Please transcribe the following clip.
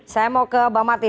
saya mau ke bang martin